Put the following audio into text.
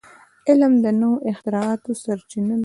علم د نوو اختراعاتو سرچینه ده.